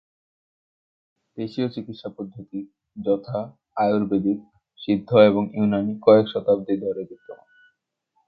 দেশীয় চিকিৎসা পদ্ধতি, যথা, আয়ুর্বেদিক, সিদ্ধ এবং ইউনানী কয়েক শতাব্দী ধরে বিদ্যমান।